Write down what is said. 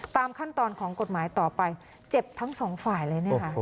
ตามขั้นตอนของกฎหมายต่อไปเจ็บทั้งสองฝ่ายเลยเนี่ยค่ะ